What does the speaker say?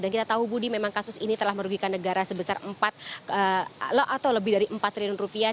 dan kita tahu budi memang kasus ini telah merugikan negara sebesar empat atau lebih dari empat triliun rupiah